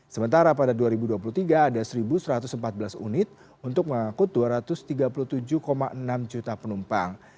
sementara pada dua ribu dua puluh tiga ada satu satu ratus empat belas unit untuk mengangkut dua ratus tiga puluh tujuh enam juta penumpang